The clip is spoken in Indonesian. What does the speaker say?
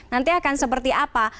nanti akan seperti apa